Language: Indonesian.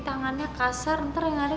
tangannya kasar ntar yang